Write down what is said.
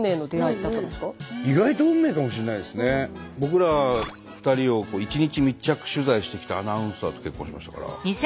僕ら２人を一日密着取材してきたアナウンサーと結婚しましたから。